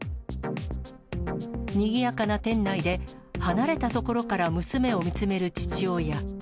にぎやかな店内で、離れた所から娘を見つめる父親。